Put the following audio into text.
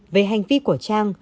về hành vi của trang